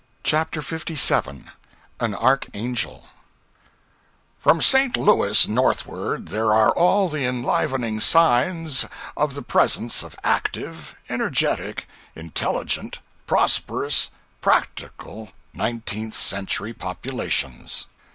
CHAPTER 57 An Archangel FROM St. Louis northward there are all the enlivening signs of the presence of active, energetic, intelligent, prosperous, practical nineteenth century populations.